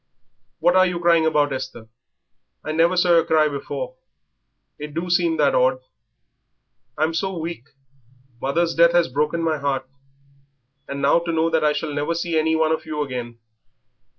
"What are you crying about, Esther? I never saw yer cry before. It do seem that odd." "I'm so weak. Mother's death has broken my heart, and now to know that I shall never see any one of you again."